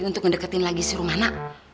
untuk mendeketin lagi si romana